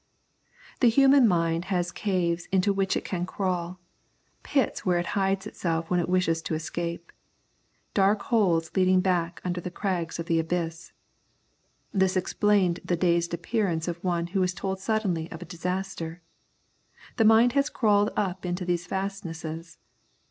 The human mind has caves into which it can crawl, pits where it hides itself when it wishes to escape; dark holes leading back under the crags of the abyss. This explains the dazed appearance of one who is told suddenly of a disaster. The mind has crawled up into these fastnesses.